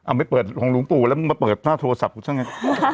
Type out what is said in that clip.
อ๋อไหมเปิดของหนูมาปลูกมาเปิดหน้าโทรศัพท์คุณซักแง่